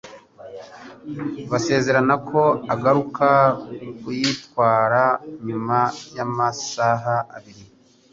Basezerana ko agaruka kuyitwara nyuma y'amasaha abiri